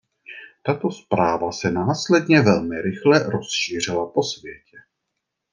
Tato zpráva se následně velmi rychle rozšířila po světě.